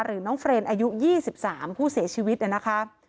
หรือน้องเฟรนอายุ๒๓ผู้เสียชีวิตเนี่ยนะคะ